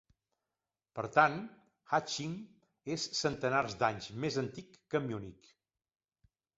Per tant, Haching és centenars d'anys més antic que Munic.